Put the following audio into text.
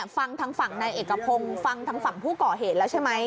ฟังด้านฝั่งในเอกภงฝั่งด้านบนผู้ก่อเหตุแล้วใช่ไหม